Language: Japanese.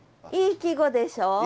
いい季語でしょ？